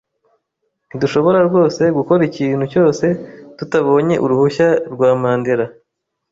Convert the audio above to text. Ntidushobora rwose gukora ikintu cyose tutabonye uruhushya rwa Mandera.